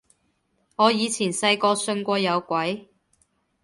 我以前細個信過有鬼